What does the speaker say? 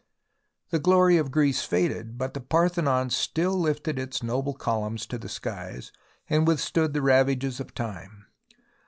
The glory of Greece faded, but the Parthenon still lifted its noble columns to the skies and with stood the ravages of time.